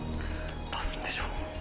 足すんでしょ。